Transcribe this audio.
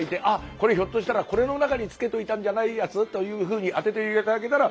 これひょっとしたらこれの中に漬けといたんじゃないやつ？というふうに当てて頂けたら幸いでございます。